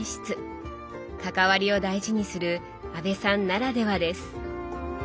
「関わり」を大事にする阿部さんならではです。